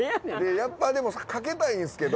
やっぱでもかけたいんすけど。